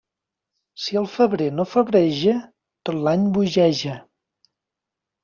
Si el febrer no febreja, tot l'any bogeja.